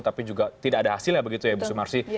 tapi tidak ada hasilnya begitu ibu sumarsi